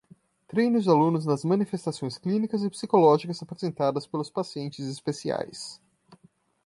Treine os alunos nas manifestações clínicas e psicológicas apresentadas pelos pacientes especiais.